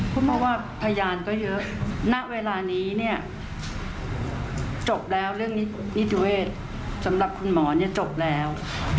คุณพ่อว่าพยานก็เยอะณเวลานี้เนี่ยจบแล้วเรื่องนิติเวศสำหรับคุณหมอเนี่ยจบแล้ว